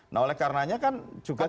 nah oleh karenanya kan juga